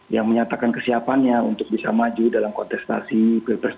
yang menyatakan kesiapannya untuk bisa maju dalam kontestasi kepres dua ribu dua puluh empat